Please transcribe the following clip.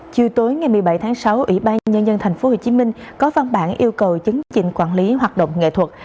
chiều tối ngày một mươi bảy tháng sáu ủy ban nhân dân tp hcm có văn bản yêu cầu chứng chỉnh quản lý hoạt động nghệ thuật